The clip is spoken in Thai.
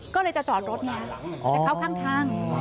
ก็เลยจะจอดรถเนี้ยจะเข้าข้างทาง